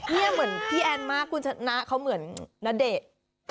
นี่เหมือนพี่แอนมากคุณชนะเขาเหมือนณเดชน์